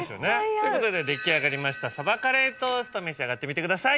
ということで出来上がりましたさばカレートースト召し上がってみてください。